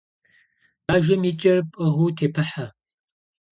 Бажэм и кӏэр пӏыгъыу тепыхьэ.